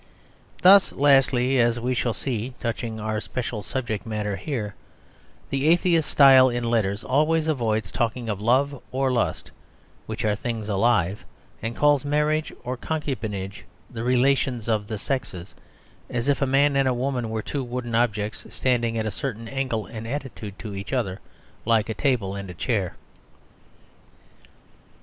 Thus, lastly (as we shall see touching our special subject matter here) the atheist style in letters always avoids talking of love or lust, which are things alive, and calls marriage or concubinage "the relations of the sexes"; as if a man and a woman were two wooden objects standing in a certain angle and attitude to each other, like a table and a chair.